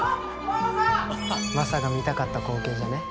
マサが見たかった光景じゃねえ？